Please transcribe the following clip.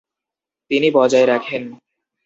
তিনি বজায় রাখেন।